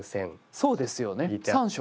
そうですよね３色。